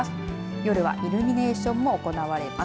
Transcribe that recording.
夜はイルミネーションも行われます。